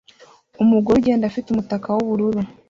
Umugore ugenda afite umutaka w'ubururu